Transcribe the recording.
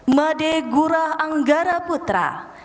made gurah anggara putra